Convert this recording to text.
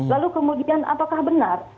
lalu kemudian apakah benar